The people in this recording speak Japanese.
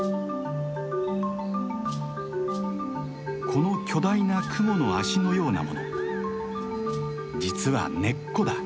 この巨大なクモの脚のようなもの実は根っこだ。